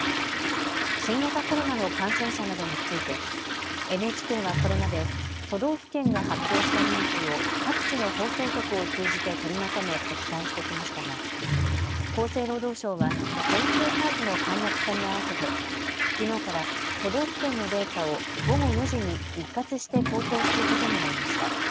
新型コロナの感染者などについてＮＨＫはこれまで都道府県が発表した人数を各地の放送局を通じて取りまとめお伝えしてきましたが厚生労働省は全数把握の簡略化に合わせてきのうから都道府県のデータを午後４時に一括して公表することになりました。